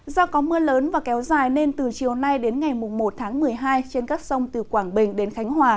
do có mưa lớn và kéo dài nên từ chiều nay đến ngày một tháng một mươi hai trên các sông từ quảng bình đến khánh hòa